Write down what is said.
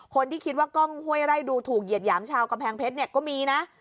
คนที่คิดว่ากล้องห้วยไร่ดูถูกเหยียดหยามชาวกำแพงเพชรเนี่ยก็มีนะ